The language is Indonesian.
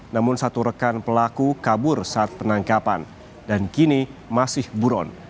namun satu rekan pelaku kabur saat penangkapan dan kini masih buron